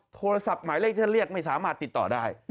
โทรศัพท์หมายเลขท่านเรียกไม่สามารถติดต่อได้